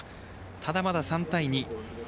ただ、まだ３対２。